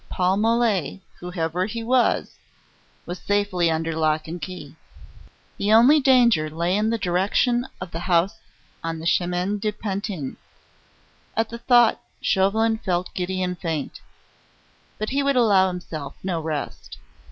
Paul Mole, whoever he was, was safely under lock and key. The only danger lay in the direction of the house on the Chemin de Pantin. At the thought Chauvelin felt giddy and faint. But he would allow himself no rest.